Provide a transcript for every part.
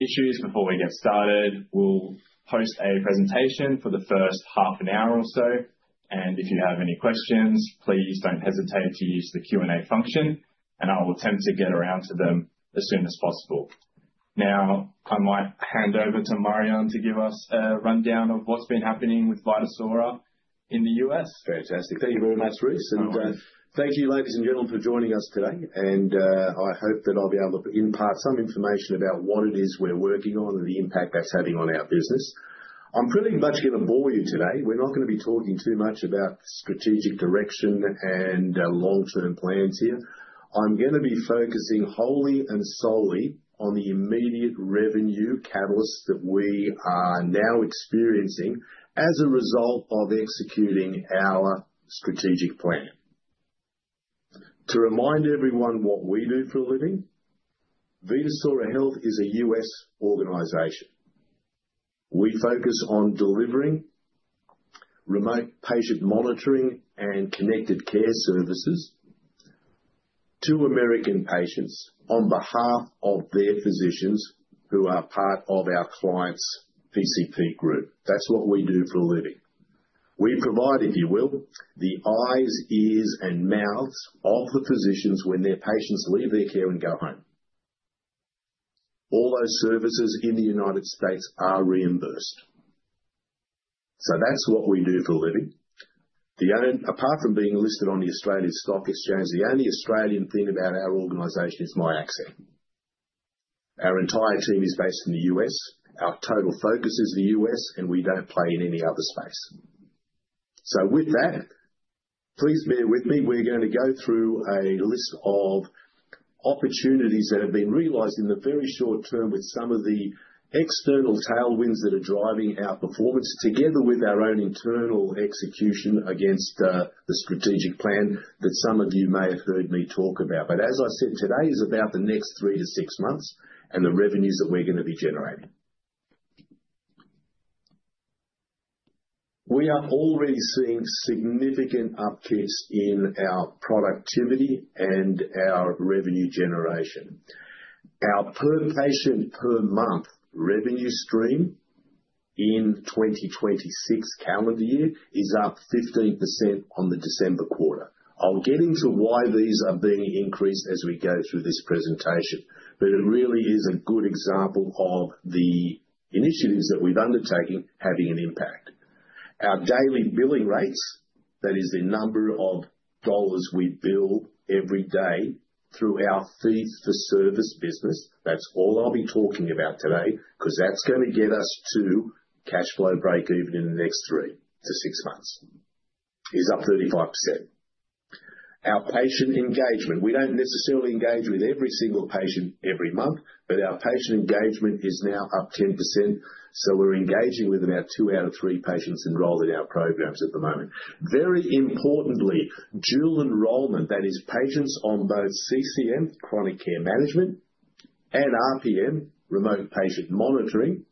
Issues before we get started. We'll host a presentation for the first half an hour or so, and if you have any questions, please don't hesitate to use the Q&A function, and I will attempt to get around to them as soon as possible. Now, I might hand over to Marjan to give us a rundown of what's been happening with Vitasora in the U.S. Fantastic. Thank you very much, Rhys. Thank you, ladies and gentlemen, for joining us today. I hope that I'll be able to impart some information about what it is we're working on and the impact that's having on our business. I'm pretty much gonna bore you today. We're not gonna be talking too much about strategic direction and long-term plans here. I'm gonna be focusing wholly and solely on the immediate revenue catalysts that we are now experiencing as a result of executing our strategic plan. To remind everyone what we do for a living, Vitasora Health is a U.S. organization. We focus on delivering remote patient monitoring and connected care services to American patients on behalf of their physicians who are part of our clients' PCP group. That's what we do for a living. We provide, if you will, the eyes, ears, and mouths of the physicians when their patients leave their care and go home. All those services in the United States are reimbursed. That's what we do for a living. Apart from being listed on the Australian Securities Exchange, the only Australian thing about our organization is my accent. Our entire team is based in the U.S., our total focus is the U.S., and we don't play in any other space. With that, please bear with me. We're gonna go through a list of opportunities that have been realized in the very short term with some of the external tailwinds that are driving our performance, together with our own internal execution against the strategic plan that some of you may have heard me talk about. As I said, today is about the next three to six months and the revenues that we're gonna be generating. We are already seeing significant upticks in our productivity and our revenue generation. Our per patient per month revenue stream in 2026 calendar year is up 15% on the December quarter. I'll get into why these are being increased as we go through this presentation, but it really is a good example of the initiatives that we've undertaken having an impact. Our daily billing rates, that is the number of dollars we bill every day through our fees for service business, that's all I'll be talking about today 'cause that's gonna get us to cash flow breakeven in the next three to six months, is up 35%. Our patient engagement. We don't necessarily engage with every single patient every month, but our patient engagement is now up 10%, so we're engaging with about two out of three patients enrolled in our programs at the moment. Very importantly, dual enrollment, that is patients on both CCM, Chronic Care Management and RPM, Remote Patient Monitoring,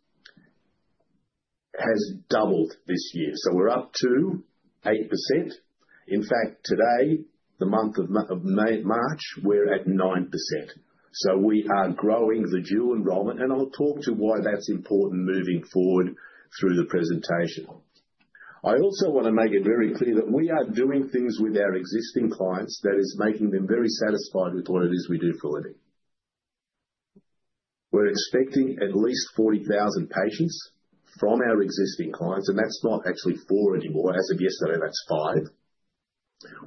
has doubled this year. We're up to 8%. In fact, today, the month of March, we're at 9%. We are growing the dual enrollment, and I'll talk to why that's important moving forward through the presentation. I also wanna make it very clear that we are doing things with our existing clients that is making them very satisfied with what it is we do for a living. We're expecting at least 40,000 patients from our existing clients, and that's not actually four anymore. As of yesterday, that's five.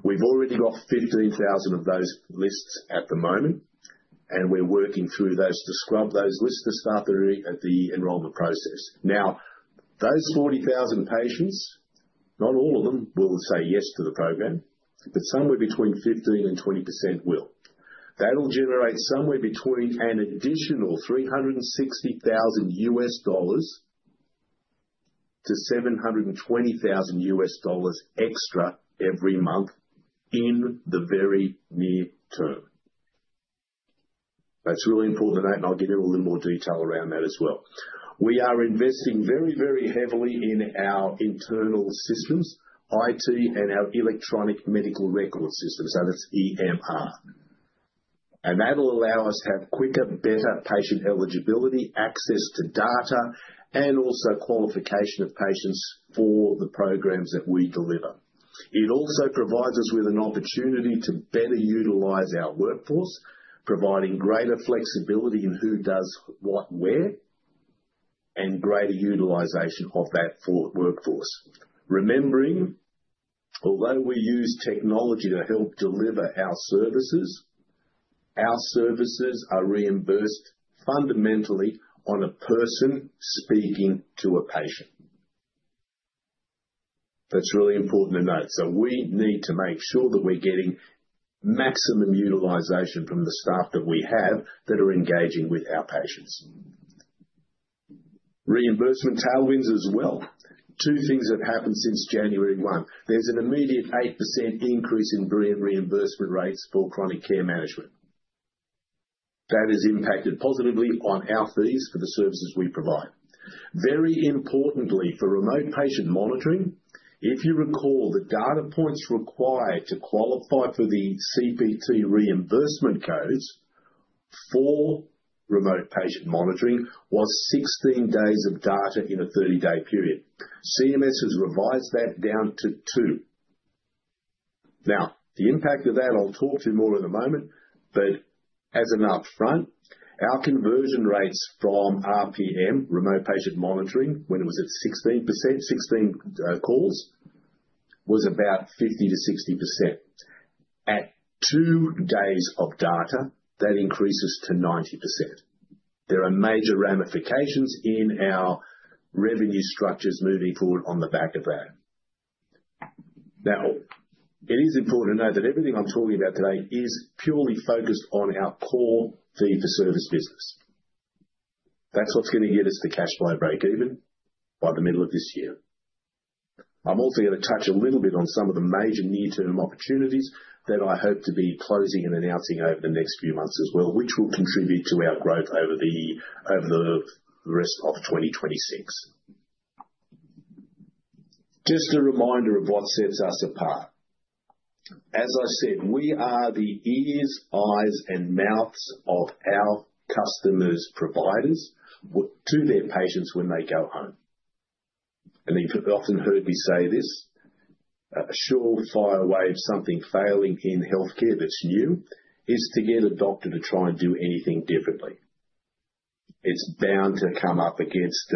We've already got 15,000 of those lists at the moment, and we're working through those to scrub those lists to start the enrollment process. Now, those 40,000 patients, not all of them will say yes to the program, but somewhere between 15% and 20% will. That'll generate somewhere between an additional $360,000-$720,000 extra every month in the very near term. That's really important, and I'll give you a little more detail around that as well. We are investing very, very heavily in our internal systems, IT, and our electronic medical record systems, and it's EMR. That'll allow us to have quicker, better patient eligibility, access to data, and also qualification of patients for the programs that we deliver. It also provides us with an opportunity to better utilize our workforce, providing greater flexibility in who does what where and greater utilization of that for workforce. Remembering, although we use technology to help deliver our services, our services are reimbursed fundamentally on a person speaking to a patient. That's really important to note. So we need to make sure that we're getting maximum utilization from the staff that we have that are engaging with our patients. Reimbursement tailwinds as well. Two things have happened since January 1. There's an immediate 8% increase in reimbursement rates for Chronic Care Management. That has impacted positively on our fees for the services we provide. Very importantly for Remote Patient Monitoring, if you recall, the data points required to qualify for the CPT reimbursement codes for Remote Patient Monitoring was 16 days of data in a 30-day period. CMS has revised that down to two. Now, the impact of that I'll talk to more in a moment, but as an upfront, our conversion rates from RPM, Remote Patient Monitoring, when it was at 16 days, was about 50%-60%. At two days of data, that increases to 90%. There are major ramifications in our revenue structures moving forward on the back of that. Now, it is important to note that everything I'm talking about today is purely focused on our core fee-for-service business. That's what's gonna get us to cash flow breakeven by the middle of this year. I'm also gonna touch a little bit on some of the major near-term opportunities that I hope to be closing and announcing over the next few months as well, which will contribute to our growth over the rest of 2026. Just a reminder of what sets us apart. As I said, we are the ears, eyes, and mouths of our customers' providers to their patients when they go home. You've often heard me say this, a surefire way of something failing in healthcare that's new is to get a doctor to try and do anything differently. It's bound to come up against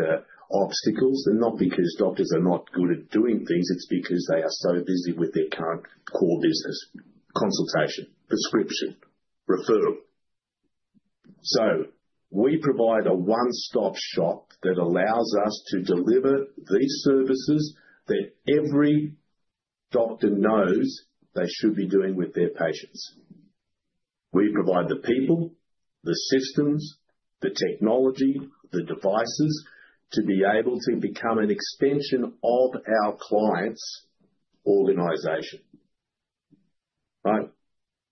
obstacles and not because doctors are not good at doing things. It's because they are so busy with their current core business: consultation, prescription, referral. We provide a one-stop shop that allows us to deliver these services that every doctor knows they should be doing with their patients. We provide the people, the systems, the technology, the devices to be able to become an extension of our client's organization. Right?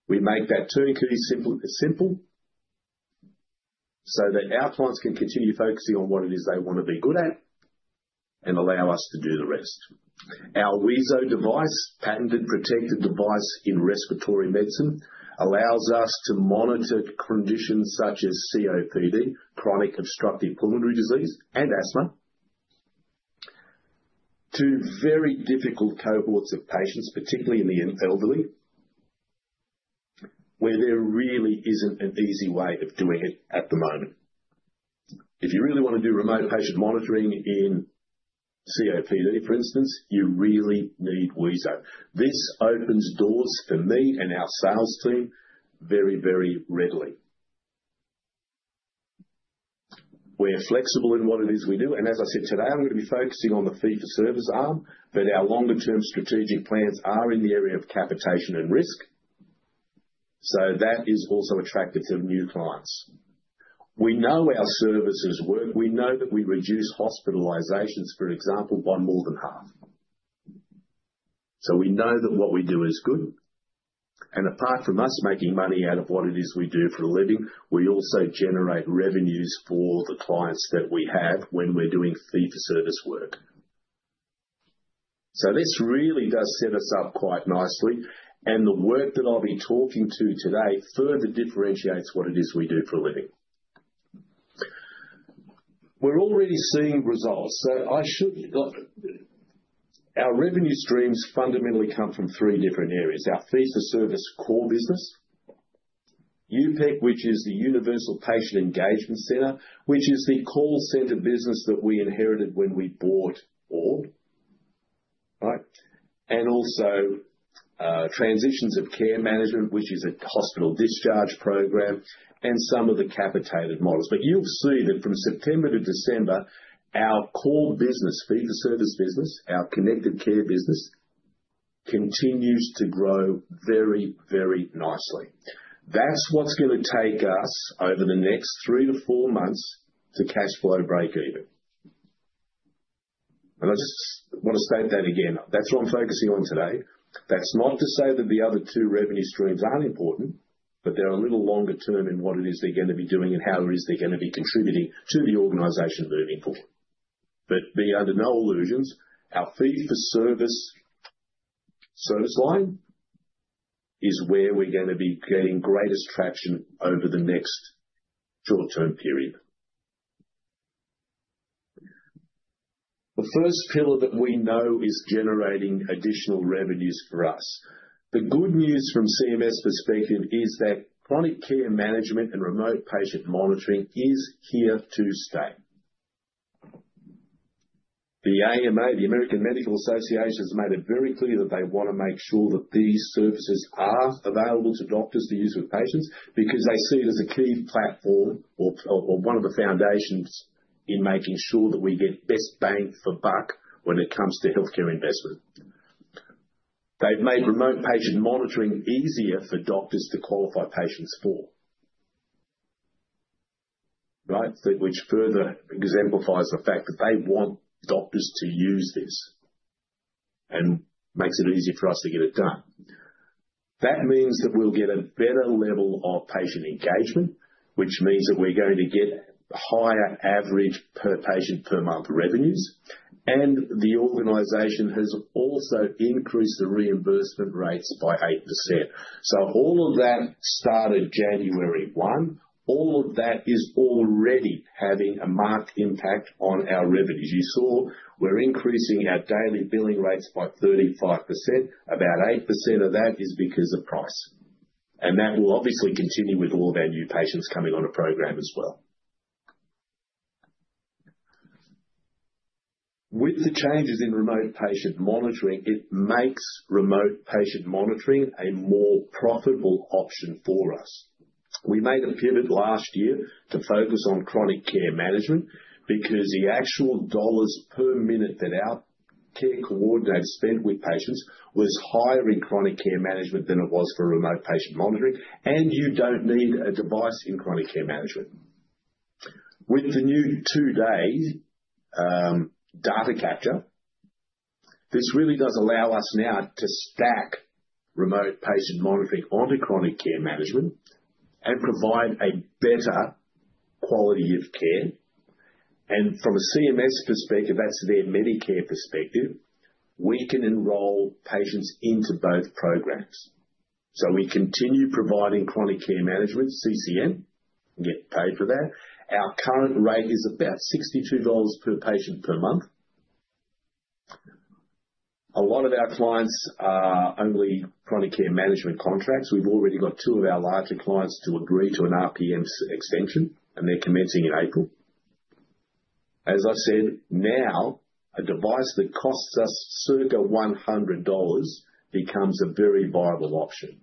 We make that turnkey simple, so that our clients can continue focusing on what it is they wanna be good at and allow us to do the rest. Our wheezo device, patented, protected device in respiratory medicine, allows us to monitor conditions such as COPD, chronic obstructive pulmonary disease, and asthma. Two very difficult cohorts of patients, particularly in the elderly, where there really isn't an easy way of doing it at the moment. If you really wanna do remote patient monitoring in COPD, for instance, you really need wheezo. This opens doors for me and our sales team very, very readily. We're flexible in what it is we do, and as I said today, I'm gonna be focusing on the fee-for-service arm, but our longer term strategic plans are in the area of capitation and risk. That is also attractive to new clients. We know our services work. We know that we reduce hospitalizations, for example, by more than half. We know that what we do is good. Apart from us making money out of what it is we do for a living, we also generate revenues for the clients that we have when we're doing fee-for-service work. This really does set us up quite nicely, and the work that I'll be talking to today further differentiates what it is we do for a living. We're already seeing results. Our revenue streams fundamentally come from three different areas. Our fee-for-service core business, UPEC, which is the Universal Patient Engagement Center, which is the call center business that we inherited when we bought Orb, right? Transitional Care Management, which is a hospital discharge program, and some of the capitated models. You'll see that from September to December, our core business, fee-for-service business, our connected care business continues to grow very, very nicely. That's what's gonna take us over the next three to four months to cash flow breakeven. I just wanna state that again. That's what I'm focusing on today. That's not to say that the other two revenue streams aren't important, but they're a little longer term in what it is they're gonna be doing and how it is they're gonna be contributing to the organization moving forward. Be under no illusions, our fee-for-service service line is where we're gonna be getting greatest traction over the next short-term period. The first pillar that we know is generating additional revenues for us. The good news from CMS perspective is that Chronic Care Management and Remote Patient Monitoring is here to stay. The AMA, the American Medical Association, has made it very clear that they wanna make sure that these services are available to doctors to use with patients because they see it as a key platform or one of the foundations in making sure that we get best bang for buck when it comes to healthcare investment. They've made Remote Patient Monitoring easier for doctors to qualify patients for. Right? That which further exemplifies the fact that they want doctors to use this. Makes it easy for us to get it done. That means that we'll get a better level of patient engagement, which means that we're going to get higher average per patient per month revenues. The organization has also increased the reimbursement rates by 8%. All of that started January 1. All of that is already having a marked impact on our revenues. You saw we're increasing our daily billing rates by 35%. About 8% of that is because of price. That will obviously continue with all of our new patients coming on a program as well. With the changes in Remote Patient Monitoring, it makes remote patient monitoring a more profitable option for us. We made a pivot last year to focus on Chronic Care Management because the actual dollars per minute that our care coordinators spent with patients was higher in Chronic Care Management than it was for Remote Patient Monitoring. You don't need a device in Chronic Care Management. With the new two-day data capture, this really does allow us now to stack Remote Patient Monitoring onto Chronic Care Management and provide a better quality of care. From a CMS perspective, that's their Medicare perspective. We can enroll patients into both programs. We continue providing chronic care management, CCM, and get paid for that. Our current rate is about $62 per patient per month. A lot of our clients are only Chronic Care Management contracts. We've already got two of our larger clients to agree to an RPM extension, and they're commencing in April. As I said, now, a device that costs us circa $100 becomes a very viable option.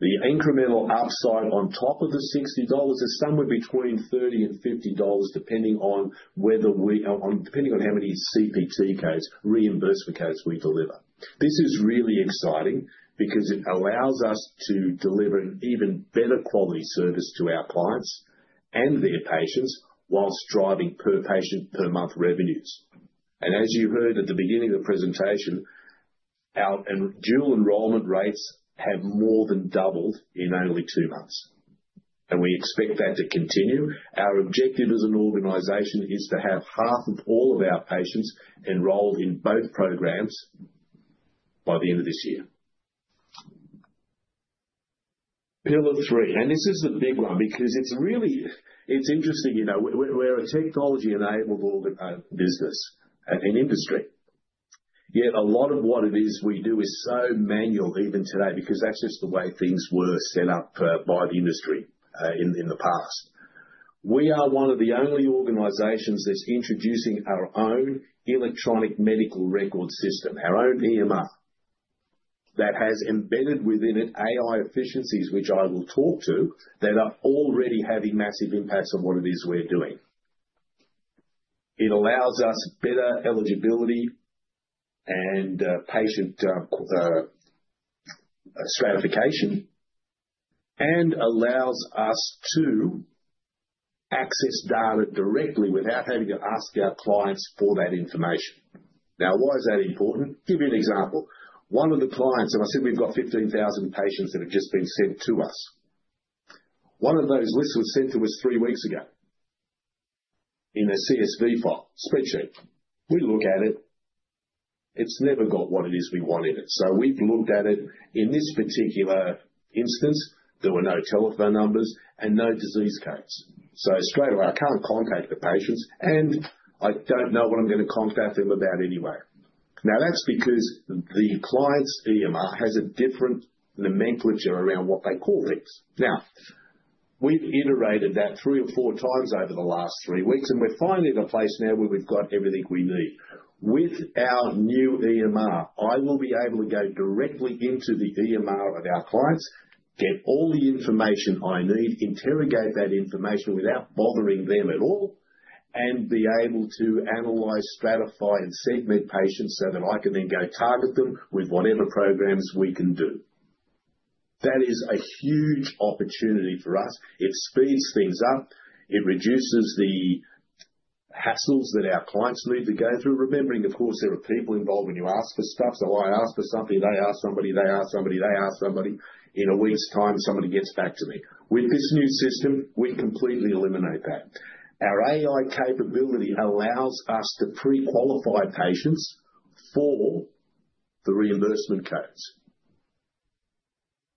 The incremental upside on top of the $60 is somewhere between $30-$50, depending on whether we—depending on how many CPT codes, reimbursement codes we deliver. This is really exciting because it allows us to deliver an even better quality service to our clients and their patients while driving per patient per month revenues. As you heard at the beginning of the presentation, our dual enrollment rates have more than doubled in only two months, and we expect that to continue. Our objective as an organization is to have half of all of our patients enrolled in both programs by the end of this year. Pillar three, this is the big one because it's really interesting. You know, we're a technology-enabled business and industry. Yet a lot of what it is we do is so manual even today, because that's just the way things were set up by the industry in the past. We are one of the only organizations that's introducing our own electronic medical record system, our own EMR, that has embedded within it AI efficiencies, which I will talk to, that are already having massive impacts on what it is we're doing. It allows us better eligibility and patient stratification and allows us to access data directly without having to ask our clients for that information. Now, why is that important? Give you an example. One of the clients, and I said we've got 15,000 patients that have just been sent to us. One of those lists was sent to us three weeks ago in a CSV file spreadsheet. We look at it. It's never got what it is we want in it. We've looked at it. In this particular instance, there were no telephone numbers and no disease codes. So straight away, I can't contact the patients, and I don't know what I'm gonna contact them about anyway. Now, that's because the client's EMR has a different nomenclature around what they call things. Now, we've iterated that three or four times over the last three weeks, and we're finally at a place now where we've got everything we need. With our new EMR, I will be able to go directly into the EMR of our clients, get all the information I need, interrogate that information without bothering them at all, and be able to analyze, stratify, and segment patients so that I can then go target them with whatever programs we can do. That is a huge opportunity for us. It speeds things up. It reduces the hassles that our clients need to go through. Remembering, of course, there are people involved when you ask for stuff. I ask for something, they ask somebody, they ask somebody, they ask somebody. In a week's time, somebody gets back to me. With this new system, we completely eliminate that. Our AI capability allows us to pre-qualify patients for the reimbursement codes.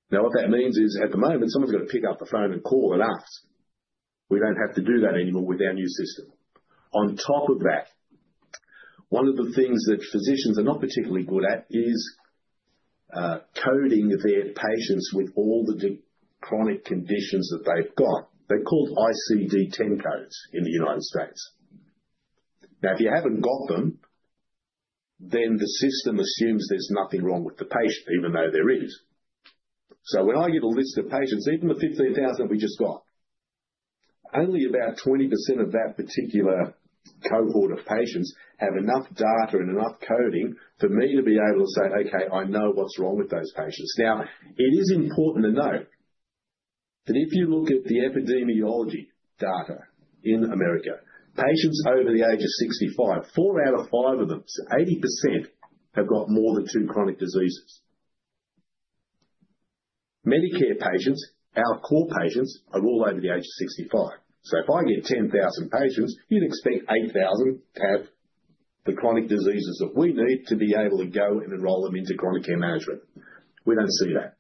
Now, what that means is, at the moment, someone's got to pick up the phone and call and ask. We don't have to do that anymore with our new system. On top of that, one of the things that physicians are not particularly good at is coding their patients with all the chronic conditions that they've got. They're called ICD-10 codes in the United States. Now, if you haven't got them, then the system assumes there's nothing wrong with the patient even though there is. When I get a list of patients, even the 15,000 we just got, only about 20% of that particular cohort of patients have enough data and enough coding for me to be able to say, "Okay, I know what's wrong with those patients." Now, it is important to note. If you look at the epidemiology data in America, patients over the age of 65, four out of five of them, so 80%, have got more than two chronic diseases. Medicare patients, our core patients, are all over the age of 65. If I get 10,000 patients, you'd expect 8,000 to have the chronic diseases that we need to be able to go and enroll them into Chronic Care Management. We don't see that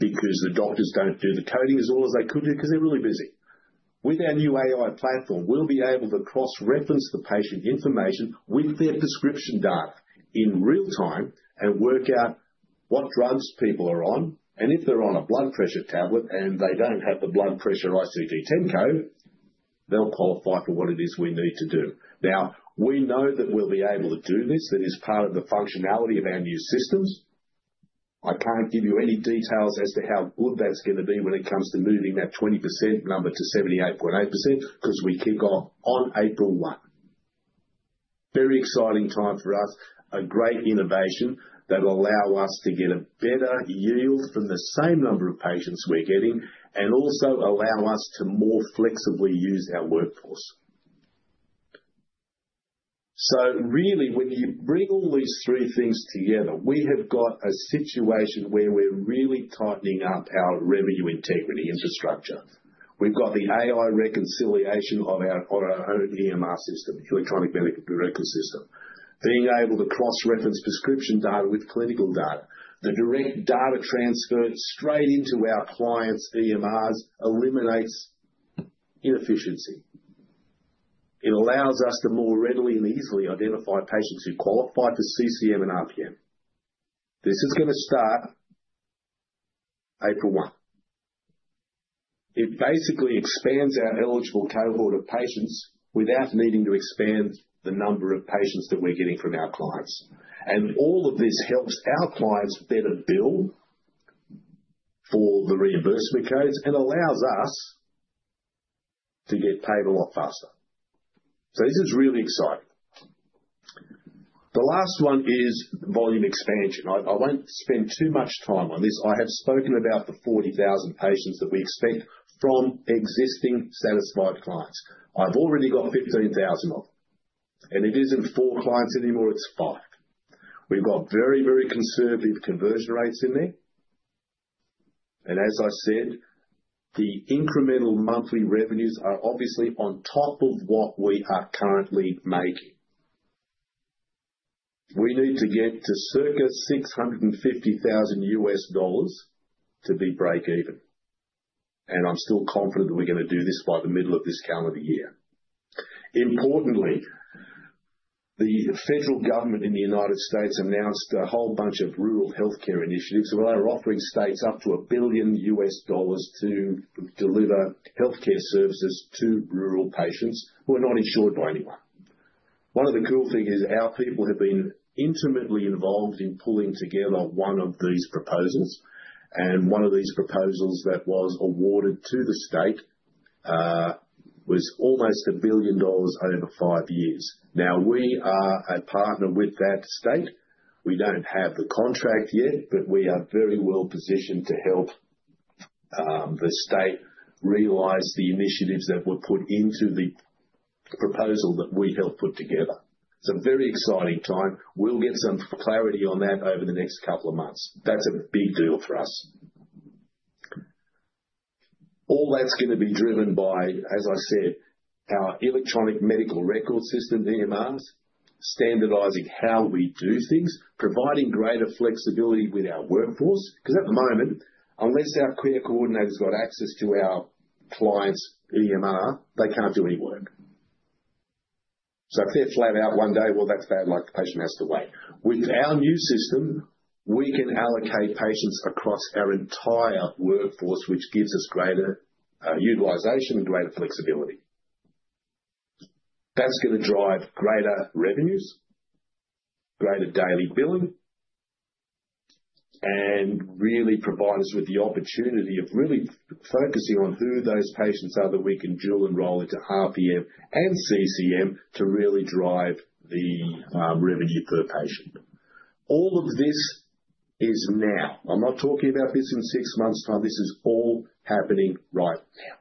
because the doctors don't do the coding as well as they could do 'cause they're really busy. With our new AI platform, we'll be able to cross-reference the patient information with their prescription data in real time and work out what drugs people are on, and if they're on a blood pressure tablet and they don't have the blood pressure ICD-10 code, they'll qualify for what it is we need to do. Now, we know that we'll be able to do this. That is part of the functionality of our new systems. I can't give you any details as to how good that's gonna be when it comes to moving that 20% number to 78.8% 'cause we kick off on April 1. Very exciting time for us. A great innovation that will allow us to get a better yield from the same number of patients we're getting and also allow us to more flexibly use our workforce. Really, when you bring all these three things together, we have got a situation where we're really tightening up our revenue integrity infrastructure. We've got the AI reconciliation on our own EMR system, electronic medical record system. Being able to cross-reference prescription data with clinical data. The direct data transfer straight into our clients' EMRs eliminates inefficiency. It allows us to more readily and easily identify patients who qualify for CCM and RPM. This is gonna start April 1. It basically expands our eligible cohort of patients without needing to expand the number of patients that we're getting from our clients. All of this helps our clients better bill for the reimbursement codes and allows us to get paid a lot faster. This is really exciting. The last one is volume expansion. I won't spend too much time on this. I have spoken about the 40,000 patients that we expect from existing satisfied clients. I've already got 15,000 of them. It isn't four clients anymore, it's five. We've got very, very conservative conversion rates in there. As I said, the incremental monthly revenues are obviously on top of what we are currently making. We need to get to circa $650,000 to break even. I'm still confident that we're gonna do this by the middle of this calendar year. Importantly, the federal government in the United States announced a whole bunch of rural healthcare initiatives where they're offering states up to $1 billion to deliver healthcare services to rural patients who are not insured by anyone. One of the cool things is our people have been intimately involved in pulling together one of these proposals, and one of these proposals that was awarded to the state was almost $1 billion over five years. Now, we are a partner with that state. We don't have the contract yet, but we are very well positioned to help the state realize the initiatives that were put into the proposal that we helped put together. It's a very exciting time. We'll get some clarity on that over the next couple of months. That's a big deal for us. All that's gonna be driven by, as I said, our electronic medical record system, EMRs, standardizing how we do things, providing greater flexibility with our workforce, 'cause at the moment, unless our care coordinator's got access to our client's EMR, they can't do any work. If they're flat out one day, well, that's bad luck. The patient has to wait. With our new system, we can allocate patients across our entire workforce, which gives us greater utilization and greater flexibility. That's gonna drive greater revenues, greater daily billing, and really provide us with the opportunity of really focusing on who those patients are that we can dual enroll into RPM and CCM to really drive the revenue per patient. All of this is now. I'm not talking about this in six months' time. This is all happening right now.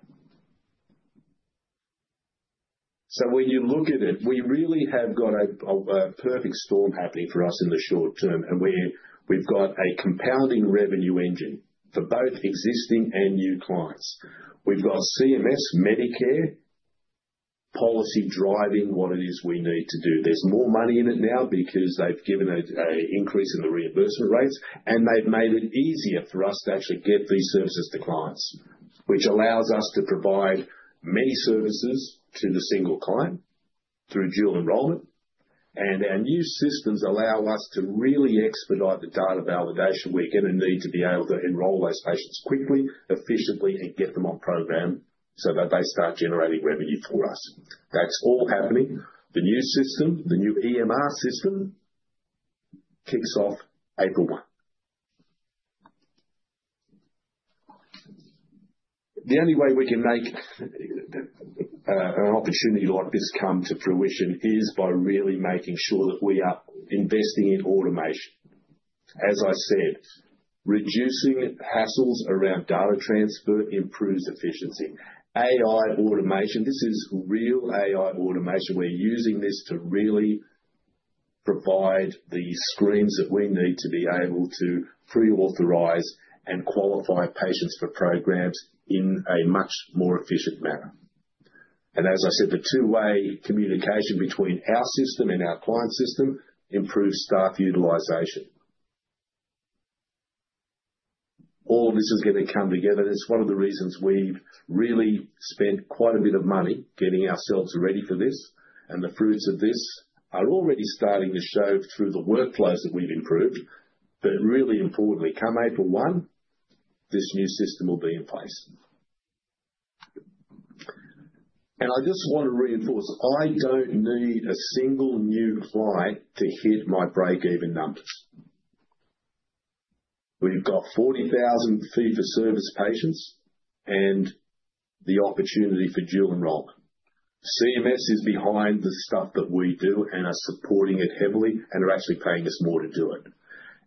When you look at it, we really have got a perfect storm happening for us in the short term. We've got a compounding revenue engine for both existing and new clients. We've got CMS Medicare policy driving what it is we need to do. There's more money in it now because they've given it an increase in the reimbursement rates, and they've made it easier for us to actually get these services to clients, which allows us to provide many services to the single client through dual enrollment. Our new systems allow us to really expedite the data validation we're gonna need to be able to enroll those patients quickly, efficiently, and get them on program so that they start generating revenue for us. That's all happening. The new system, the new EMR system, kicks off April 1. The only way we can make an opportunity like this come to fruition is by really making sure that we are investing in automation. As I said, reducing hassles around data transfer improves efficiency. AI automation, this is real AI automation. We're using this to really provide the screens that we need to be able to pre-authorize and qualify patients for programs in a much more efficient manner. As I said, the two-way communication between our system and our client system improves staff utilization. All this is gonna come together. That's one of the reasons we've really spent quite a bit of money getting ourselves ready for this. The fruits of this are already starting to show through the workflows that we've improved. Really importantly, come April 1, this new system will be in place. I just want to reinforce, I don't need a single new client to hit my break-even numbers. We've got 40,000 fee-for-service patients and the opportunity for dual enroll. CMS is behind the stuff that we do and are supporting it heavily and are actually paying us more to do it.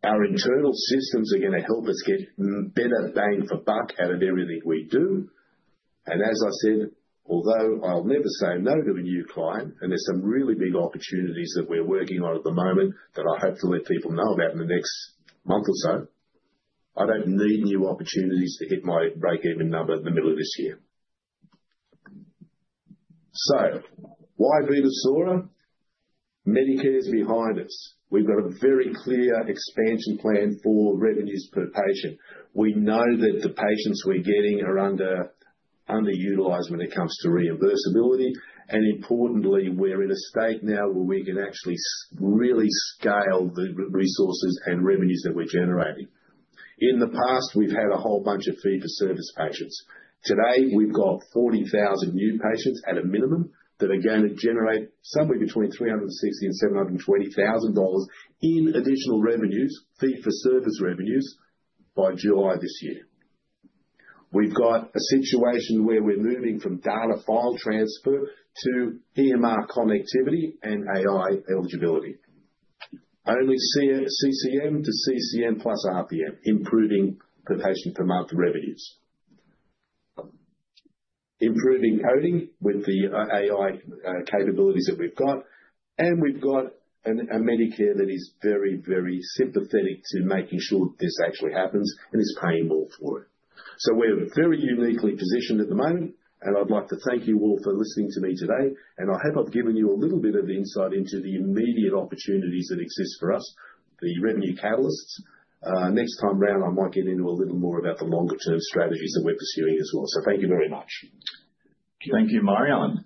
Our internal systems are gonna help us get better bang for buck out of everything we do. As I said, although I'll never say no to a new client, and there's some really big opportunities that we're working on at the moment that I hope to let people know about in the next month or so, I don't need new opportunities to hit my break-even number in the middle of this year. So, why Vitasora? Medicare's behind us. We've got a very clear expansion plan for revenues per patient. We know that the patients we're getting are underutilized when it comes to reimbursability. Importantly, we're in a state now where we can actually really scale the resources and revenues that we're generating. In the past, we've had a whole bunch of fee-for-service patients. Today, we've got 40,000 new patients at a minimum that are gonna generate somewhere between $360,000 and $720,000 in additional revenues, fee-for-service revenues by July this year. We've got a situation where we're moving from data file transfer to EMR connectivity and AI eligibility. CCM to CCM plus RPM, improving the patient per month revenues. Improving coding with the AI capabilities that we've got. We've got a Medicare that is very, very sympathetic to making sure this actually happens and is paying more for it. We're very uniquely positioned at the moment, and I'd like to thank you all for listening to me today, and I hope I've given you a little bit of insight into the immediate opportunities that exist for us, the revenue catalysts. Next time around, I might get into a little more about the longer-term strategies that we're pursuing as well. Thank you very much. Thank you, Marjan.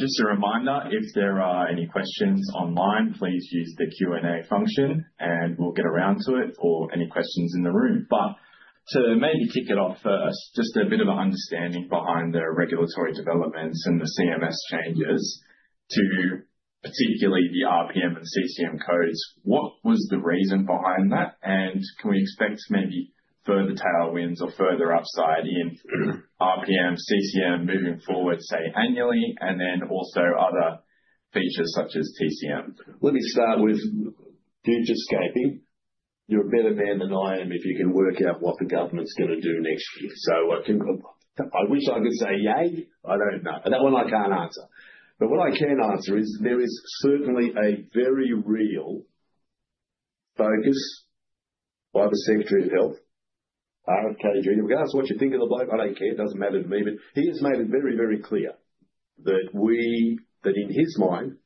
Just a reminder, if there are any questions online, please use the Q&A function, and we'll get around to it or any questions in the room. To maybe kick it off first, just a bit of an understanding behind the regulatory developments and the CMS changes to particularly the RPM and CCM codes. What was the reason behind that? And can we expect maybe further tailwinds or further upside in RPM, CCM moving forward, say, annually, and then also other features such as TCM? Let me start with futurescaping. You're a better man than I am if you can work out what the government's gonna do next year. I wish I could say yay. I don't know. That one I can't answer. What I can answer is there is certainly a very real focus by the Secretary of Health, R.F.K. ,Jr. You can ask what you think of the bloke. I don't care. It doesn't matter to me. He has made it very, very clear that we, that in his mind,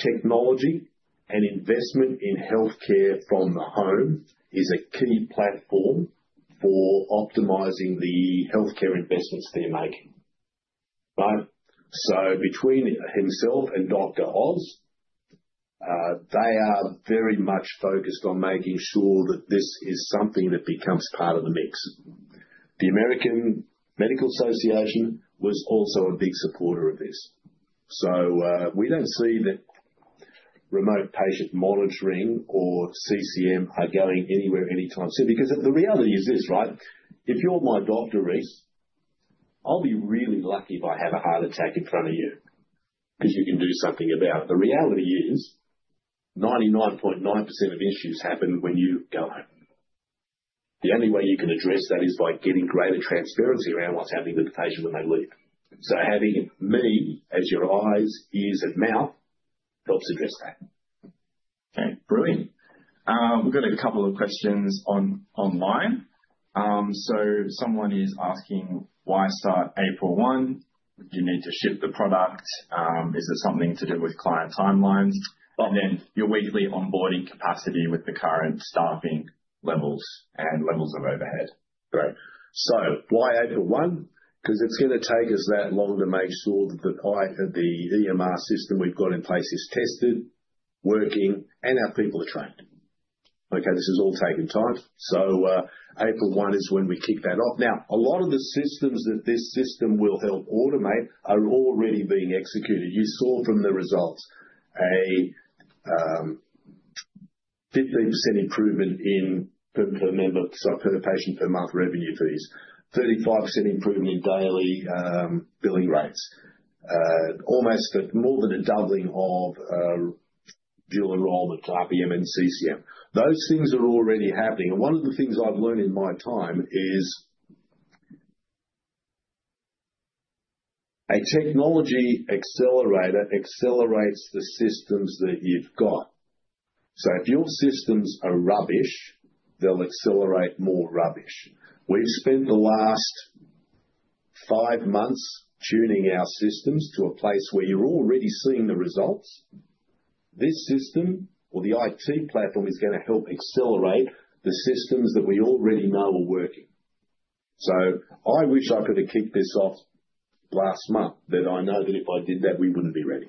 technology and investment in healthcare from the home is a key platform for optimizing the healthcare investments they're making. Right? Between himself and Dr. Oz, they are very much focused on making sure that this is something that becomes part of the mix. The American Medical Association was also a big supporter of this. We don't see that Remote Patient Monitoring or CCM are going anywhere anytime soon. Because the reality is this, right? If you're my doctor, Rhys, I'll be really lucky if I have a heart attack in front of you, 'cause you can do something about it. The reality is 99.9% of issues happen when you go home. The only way you can address that is by getting greater transparency around what's happening with the patient when they leave. Having me as your eyes, ears, and mouth helps address that. Okay, brilliant. We've got a couple of questions online. Someone is asking, why start April 1? Do you need to ship the product? Is there something to do with client timelines? Right. Your weekly onboarding capacity with the current staffing levels and levels of overhead. Great. Why April 1? 'Cause it's gonna take us that long to make sure that the EMR system we've got in place is tested, working, and our people are trained. Okay, this is all taking time. April 1 is when we kick that off. Now, a lot of the systems that this system will help automate are already being executed. You saw from the results a 15% improvement in per member, sorry, per patient per month revenue fees, 35% improvement in daily billing rates, almost a more than a doubling of dual enroll to RPM and CCM. Those things are already happening. One of the things I've learned in my time is a technology accelerator accelerates the systems that you've got. If your systems are rubbish, they'll accelerate more rubbish. We've spent the last five months tuning our systems to a place where you're already seeing the results. This system or the IT platform is gonna help accelerate the systems that we already know are working. I wish I could have kicked this off last month, but I know that if I did that, we wouldn't be ready.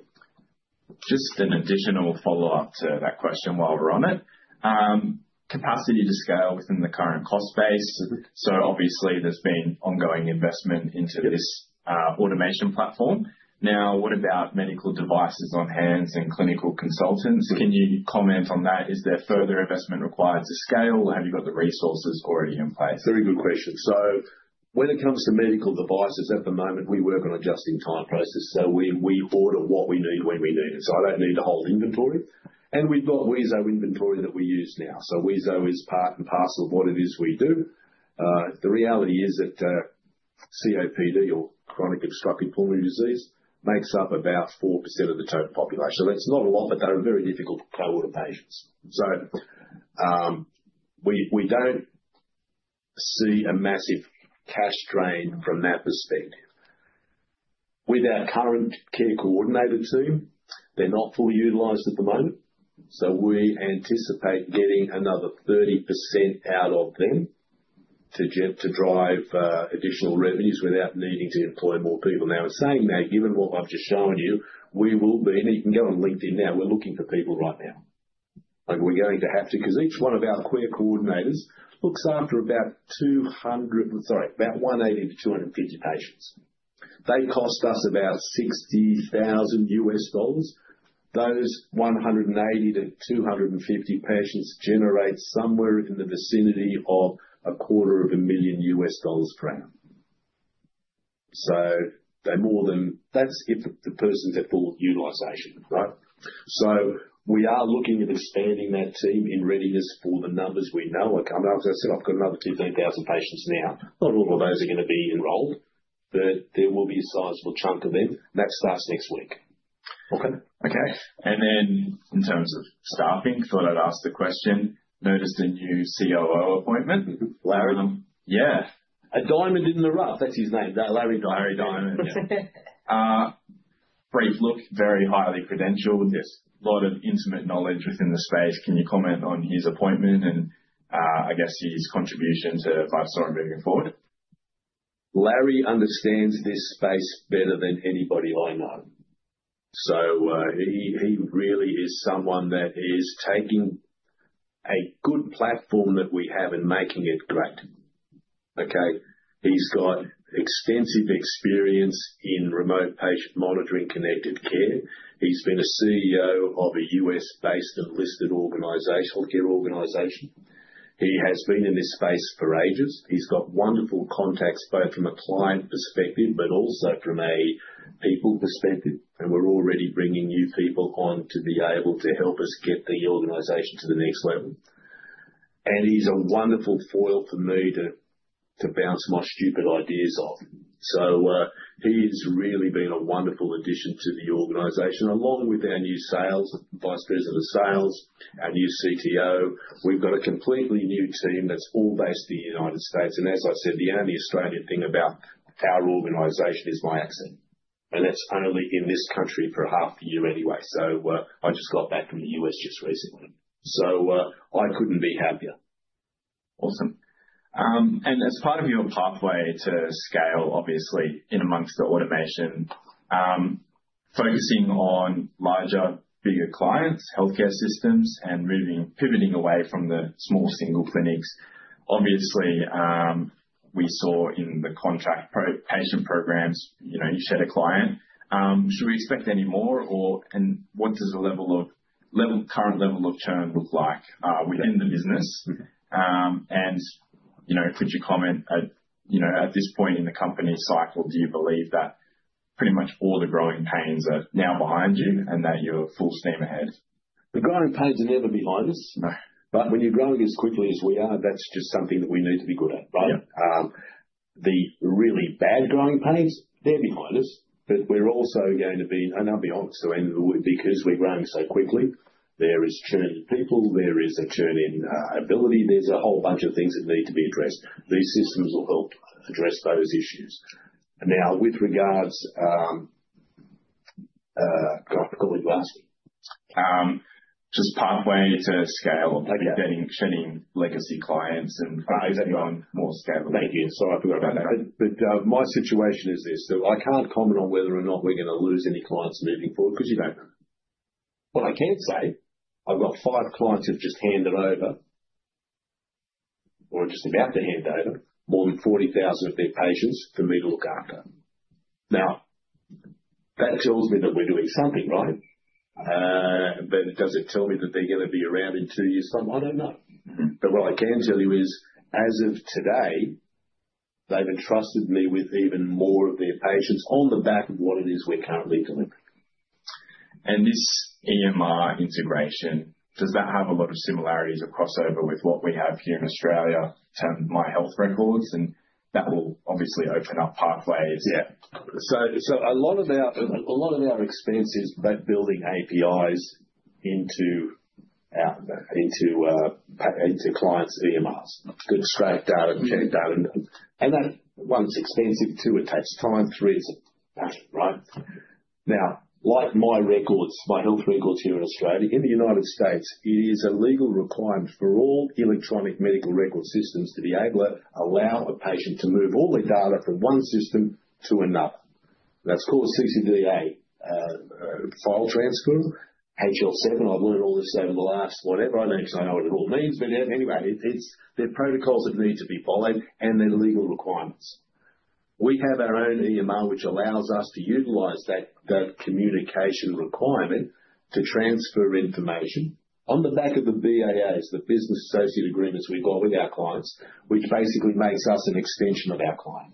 Just an additional follow-up to that question while we're on it. Capacity to scale within the current cost base. Obviously there's been ongoing investment into this automation platform. Now, what about medical devices on hands and clinical consultants? Can you comment on that? Is there further investment required to scale? Have you got the resources already in place? Very good question. When it comes to medical devices, at the moment, we work on a just-in-time process. We order what we need when we need it, so I don't need to hold inventory. We've got wheezo inventory that we use now. Wheezo is part and parcel of what it is we do. The reality is that, COPD or chronic obstructive pulmonary disease makes up about 4% of the total population. That's not a lot, but they're a very difficult cohort of patients. We don't see a massive cash drain from that perspective. With our current care coordinator team, they're not fully utilized at the moment, so we anticipate getting another 30% out of them to drive additional revenues without needing to employ more people. Now, saying that, given what I've just shown you, we will be—you can go on LinkedIn now—we're looking for people right now. We're going to have to, 'cause each one of our care coordinators looks after about 180-250 patients. They cost us about $60,000. Those 180-250 patients generate somewhere in the vicinity of a quarter of a million dollars per annum. They're more than—that's if the person's at full utilization, right? We are looking at expanding that team in readiness for the numbers we know are coming. As I said, I've got another 2,000 patients now. Not all of those are gonna be enrolled, but there will be a sizable chunk of them. That starts next week. Okay. In terms of staffing, thought I'd ask the question. Noticed a new COO appointment. Larry Diamond. Yeah. A diamond in the rough. That's his name. Larry Diamond. Yeah. Brief look, very highly credentialed. There's a lot of intimate knowledge within the space. Can you comment on his appointment and, I guess, his contribution to Vitasora moving forward? Larry understands this space better than anybody I know. He really is someone that is taking a good platform that we have and making it great. Okay? He's got extensive experience in remote patient monitoring, connected care. He's been a CEO of a U.S.-based and listed healthcare organization. He has been in this space for ages. He's got wonderful contacts, both from a client perspective but also from a people perspective, and we're already bringing new people on to be able to help us get the organization to the next level. He's a wonderful foil for me to bounce my stupid ideas off. He's really been a wonderful addition to the organization, along with our new sales vice president of sales, our new CTO. We've got a completely new team that's all based in the United States. And as I said, the only Australian thing about our organization is my accent, and that's only in this country for half a year anyway, so I just got back from the U.S. just recently. I couldn't be happier. Awesome. As part of your pathway to scale, obviously in amongst the automation, focusing on larger, bigger clients, healthcare systems, and really pivoting away from the small single clinics. Obviously, we saw in the patient programs, you know, you shed a client. Should we expect any more or, and what does the current level of churn look like within the business? You know, could you comment, you know, at this point in the company cycle, do you believe that pretty much all the growing pains are now behind you? That you're full steam ahead? The growing pains are never behind us. No. When you're growing as quickly as we are, that's just something that we need to be good at, right? Yeah. The really bad growing pains, they're behind us. We're also going to be, and I'll be honest, because we're growing so quickly, there is churn in people and ability. There's a whole bunch of things that need to be addressed. These systems will help address those issues. Now, with regards, God, I've forgotten what you asked me. Just pathway to scale. Okay. Getting, churning legacy clients and— Right. How is that going more scalable? Thank you. Sorry, I forgot about that. My situation is this, though. I can't comment on whether or not we're gonna lose any clients moving forward, 'cause you don't. What I can say, I've got five clients who've just handed over or just about to hand over more than 40,000 of their patients for me to look after. Now, that tells me that we're doing something right. Does it tell me that they're gonna be around in two years' time? I don't know. What I can tell you is, as of today, they've entrusted me with even more of their patients on the back of what it is we're currently delivering. This EMR integration, does that have a lot of similarities or crossover with what we have here in Australia to My Health Record? That will obviously open up pathways. A lot of our expense is about building APIs into our clients' EMRs. To extract data, generate data. That, one, it's expensive, two, it takes time, three, it's a pain, right? Now, like My Health Record here in Australia, in the United States, it is a legal requirement for all electronic medical record systems to be able to allow a patient to move all their data from one system to another. That's called C-CDA file transfer, HL7. I've learned all this over the last whatever. I don't actually know what it all means, but anyway, they're protocols that need to be followed, and they're legal requirements. We have our own EMR, which allows us to utilize that communication requirement to transfer information on the back of the BAA, the business associate agreements we've got with our clients, which basically makes us an extension of our client.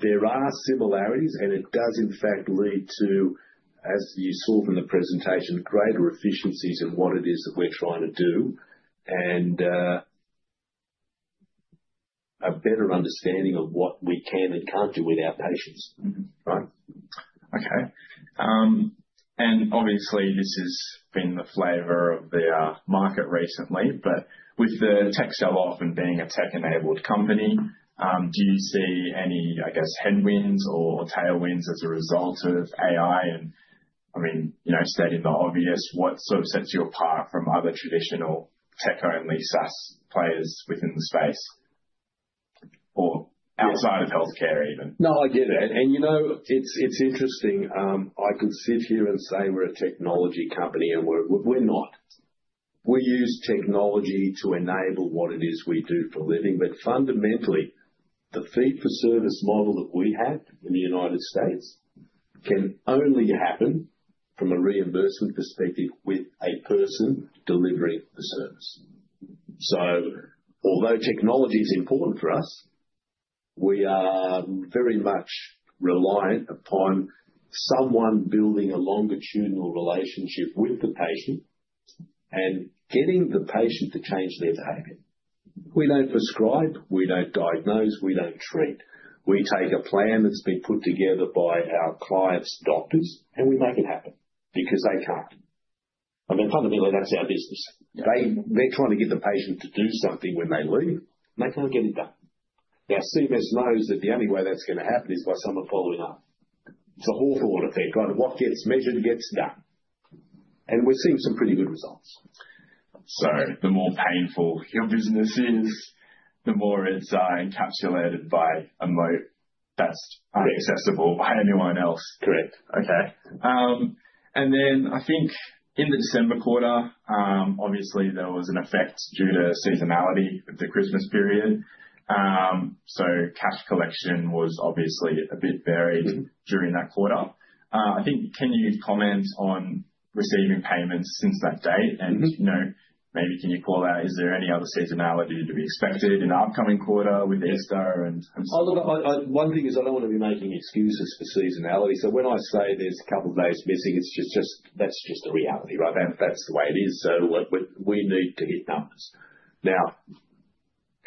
There are similarities, and it does, in fact, lead to, as you saw from the presentation, greater efficiencies in what it is that we're trying to do and a better understanding of what we can and can't do with our patients. Right. Okay. Obviously, this has been the flavor of the market recently, but with the tech sell-off and being a tech-enabled company, do you see any, I guess, headwinds or tailwinds as a result of AI? I mean, you know, stating the obvious, what sort of sets you apart from other traditional tech-only SaaS players within the space or outside of healthcare even? No, I get it. You know, it's interesting. I could sit here and say we're a technology company, and we're not. We use technology to enable what it is we do for a living. Fundamentally, the fee-for-service model that we have in the United States can only happen from a reimbursement perspective with a person delivering the service. Although technology is important for us, we are very much reliant upon someone building a longitudinal relationship with the patient and getting the patient to change their behavior. We don't prescribe, we don't diagnose, we don't treat. We take a plan that's been put together by our clients' doctors, and we make it happen because they can't. I mean, fundamentally, that's our business. They're trying to get the patient to do something when they leave, and they can't get it done. Now, CMS knows that the only way that's gonna happen is by someone following up. It's a Hawthorne effect, right? What gets measured gets done. We're seeing some pretty good results. The more painful your business is, the more it's encapsulated by a moat that's inaccessible by anyone else. Correct. Okay. I think in the December quarter, obviously there was an effect due to seasonality with the Christmas period. Cash collection was obviously a bit varied during that quarter. I think can you comment on receiving payments since that date? You know, maybe can you call out, is there any other seasonality to be expected in the upcoming quarter with Easter and so on? One thing is I don't wanna be making excuses for seasonality. When I say there's a couple of days missing, it's just, that's just the reality right now. That's the way it is. We need to hit numbers. Now,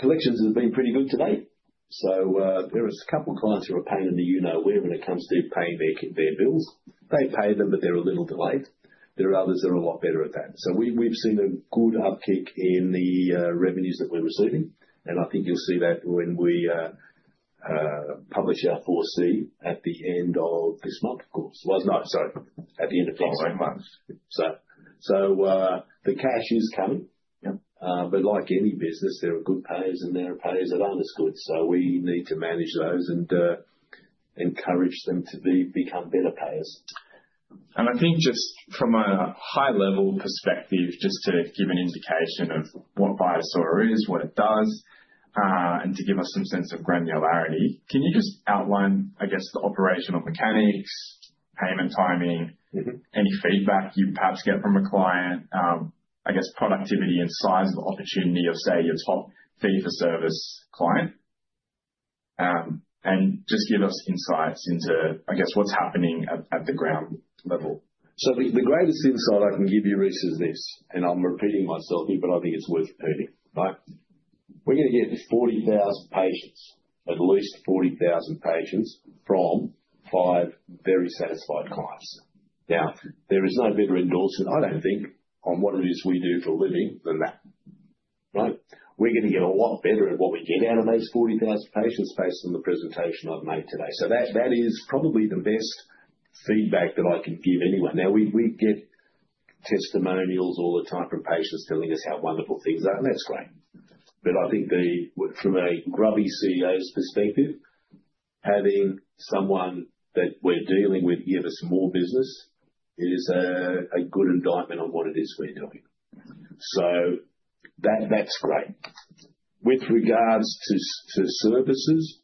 collections have been pretty good to date. There is a couple clients who are a pain in the you know where when it comes to paying their their bills. They pay them, but they're a little delayed. There are others that are a lot better at that. We've seen a good uptick in the revenues that we're receiving, and I think you'll see that when we publish our 4C at the end of this month. Of course. Well, no, sorry. At the end of next month. Oh, right. The cash is coming. Yep. But like any business, there are good payers, and there are payers that aren't as good. We need to manage those and encourage them to become better payers. I think just from a high-level perspective, just to give an indication of what Vitasora is, what it does, and to give us some sense of granularity, can you just outline, I guess, the operational mechanics, payment timing. Any feedback you perhaps get from a client, I guess productivity and size of the opportunity of, say, your top fee-for-service client? And just give us insights into, I guess, what's happening at the ground level. The greatest insight I can give you, Rhys, is this, and I'm repeating myself here, but I think it's worth repeating, right? We're gonna get 40,000 patients, at least 40,000 patients from five very satisfied clients. Now, there is no better endorsement, I don't think, on what it is we do for a living than that, right? We're gonna get a lot better at what we get out of those 40,000 patients based on the presentation I've made today. That is probably the best feedback that I could give anyone. Now, we get testimonials all the time from patients telling us how wonderful things are, and that's great. But I think from a grubby CEO's perspective, having someone that we're dealing with give us more business is a good indictment on what it is we're doing. That's great. With regards to services,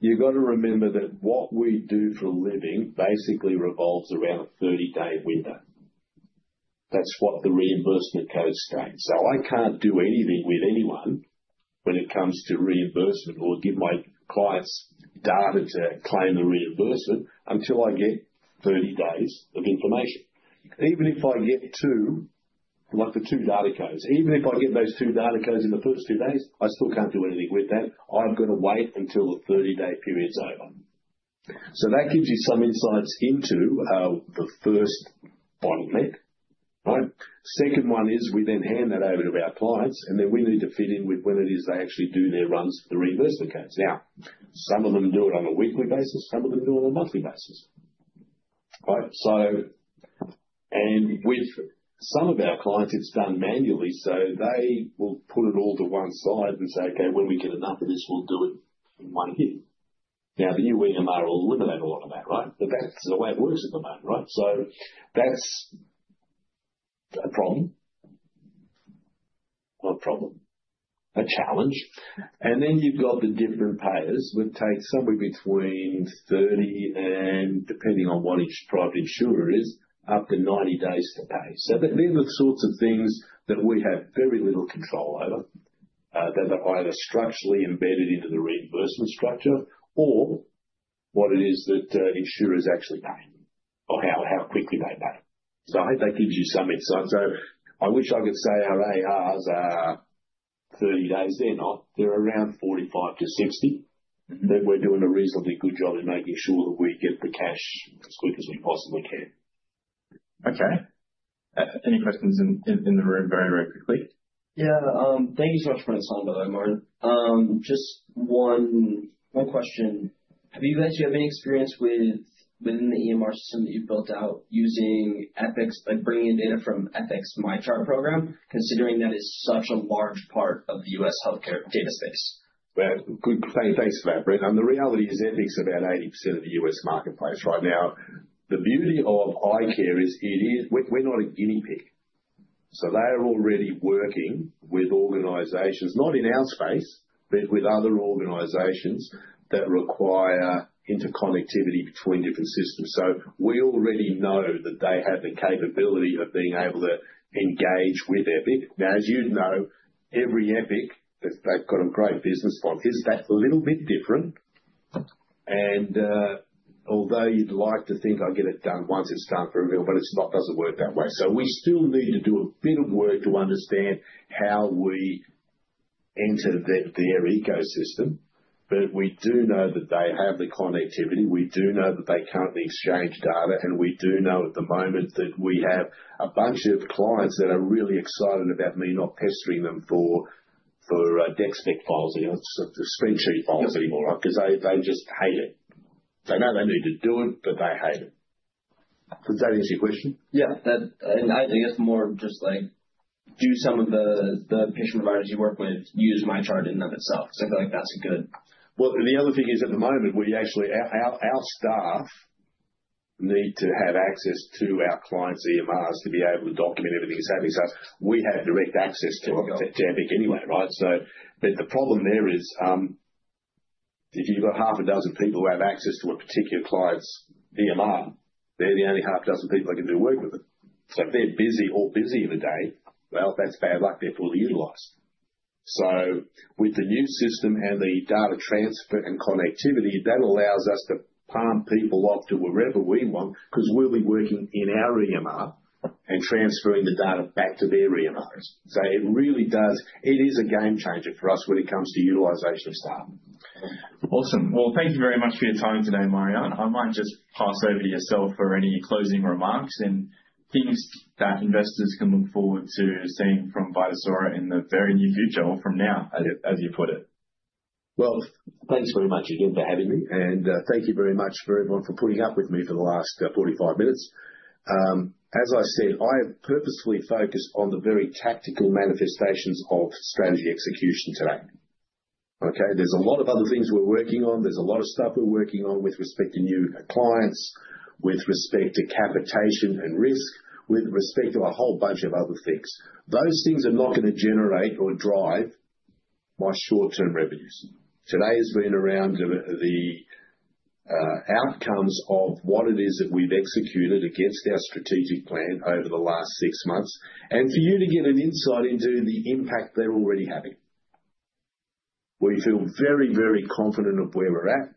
you've got to remember that what we do for a living basically revolves around a 30-day window. That's what the reimbursement code states. I can't do anything with anyone when it comes to reimbursement or give my clients data to claim the reimbursement until I get 30 days of information. Even if I get two, like for two data codes. Even if I get those two data codes in the first two days, I still can't do anything with that. I've got to wait until the 30-day period is over. That gives you some insights into the first bottleneck. Right? Second one is we then hand that over to our clients, and then we need to fit in with when it is they actually do their runs for the reimbursement codes. Now, some of them do it on a weekly basis, some of them do it on a monthly basis. Right? With some of our clients, it's done manually, so they will put it all to one side and say, "Okay, when we get enough of this, we'll do it in one hit." Now, the new EMR will eliminate a lot of that, right? That's the way it works at the moment, right? That's a problem. Not a problem, a challenge. Then you've got the different payers that take somewhere between 30 and, depending on what each private insurer is, up to 90 days to pay. They're the sorts of things that we have very little control over, that are either structurally embedded into the reimbursement structure or what it is that insurers actually pay or how quickly they pay. I hope that gives you some insight. I wish I could say our ARs are 30 days. They're not. They're around 45-60. We're doing a reasonably good job in making sure that we get the cash as quick as we possibly can. Okay. Any questions in the room very quickly? Yeah. Thank you so much for the time today, Marjan. Just one question. Have you guys, you have any experience within the EMR system that you've built out using Epic's, like, bringing in data from Epic's MyChart program, considering that is such a large part of the U.S. healthcare data space? Well, good. Thanks for that, Brent. The reality is Epic's about 80% of the U.S. marketplace right now. The beauty of iCare is we're not a guinea pig, so they are already working with organizations, not in our space, but with other organizations that require interconnectivity between different systems. We already know that they have the capability of being able to engage with Epic. Now, as you know, every Epic, they've got a great business model, is that little bit different. Although you'd like to think I'll get it done once, it's done for real, but it's not. Doesn't work that way. We still need to do a bit of work to understand how we enter their ecosystem. We do know that they have the connectivity, we do know that they currently exchange data, and we do know at the moment that we have a bunch of clients that are really excited about me not pestering them for CSV files, you know, spreadsheet files anymore, because they just hate it. They know they need to do it, but they hate it. Does that answer your question? Yeah. I guess more of just like, do some of the patient providers you work with use MyChart in and of itself? 'Cause I feel like that's a good— Well, the other thing is, at the moment, our staff need to have access to our clients' EMRs to be able to document everything that's happening. We have direct access to Epic anyway, right? The problem there is, if you've got half a dozen people who have access to a particular client's EMR, they're the only half a dozen people that can do work with them. If they're busy or busier that day, well, that's bad luck. They're fully utilized. With the new system and the data transfer and connectivity, that allows us to palm people off to wherever we want because we'll be working in our EMR and transferring the data back to their EMRs. It really does. It is a game changer for us when it comes to utilization of staff. Awesome. Well, thank you very much for your time today, Marjan. I might just pass over to yourself for any closing remarks and things that investors can look forward to seeing from Vitasora in the very near future or from now, as you put it. Well, thanks very much again for having me, and thank you very much to everyone for putting up with me for the last 45 minutes. As I said, I have purposefully focused on the very tactical manifestations of strategy execution today. Okay. There's a lot of other things we're working on. There's a lot of stuff we're working on with respect to new clients, with respect to capitation and risk, with respect to a whole bunch of other things. Those things are not gonna generate or drive my short-term revenues. Today has been around the outcomes of what it is that we've executed against our strategic plan over the last six months, and for you to get an insight into the impact they're already having. We feel very, very confident of where we're at,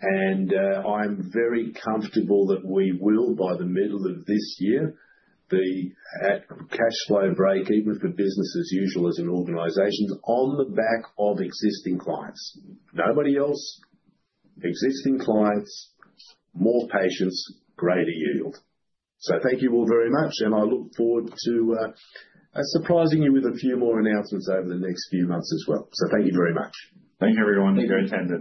and I'm very comfortable that we will, by the middle of this year, be at cash flow breakeven for business as usual as an organization on the back of existing clients. Nobody else. Existing clients, more patients, greater yield. Thank you all very much, and I look forward to surprising you with a few more announcements over the next few months as well. Thank you very much. Thank you everyone for your attendance.